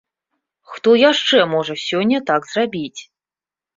Хто яшчэ можа сёння так зрабіць?